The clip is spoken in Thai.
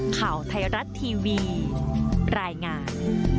ข่าวไทยรัฐทีวีรายงาน